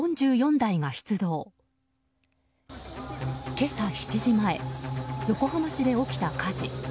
今朝７時前横浜市で起きた火事。